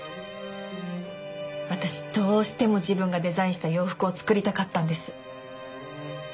私どうしても自分がデザインした洋服を作りたかったんです。